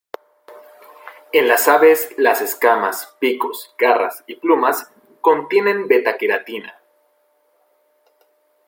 En las aves, las escamas, picos, garras y plumas contienen beta-queratina.